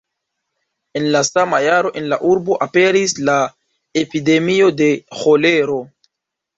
En la sama jaro en la urbo aperis la epidemio de ĥolero.